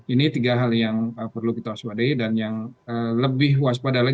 ini tiga hal yang perlu kita waspadai ini tiga hal yang perlu kita waspadai